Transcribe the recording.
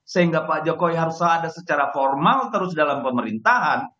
sehingga pak jokowi harus ada secara formal terus dalam pemerintahan